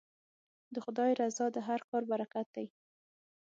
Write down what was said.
د خدای رضا د هر کار برکت دی.